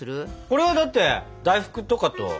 これはだって大福とかと。